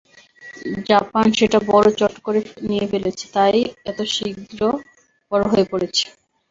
Japan সেটা বড় চট করে নিয়ে ফেলেছে, তাই এত শীঘ্র বড় হয়ে পড়েছে।